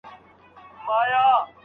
د ږدن په پټي کي به له ډاره اتڼ ړنګ نه سي.